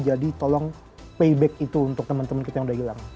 jadi tolong payback itu untuk teman teman kita yang sudah hilang